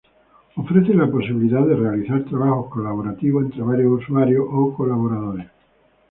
Ofrece la posibilidad de realizar trabajos colaborativos entre varios usuarios o colaboradores.